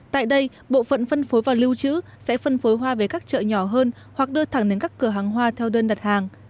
tại đây bộ phận phân phối và lưu trữ sẽ phân phối hoa về các chợ nhỏ hơn hoặc đưa thẳng đến các cửa hàng hoa theo đơn đặt hàng